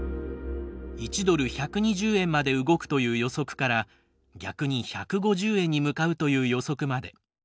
１ドル１２０円まで動くという予測から逆に１５０円に向かうという予測まで。